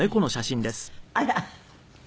あら！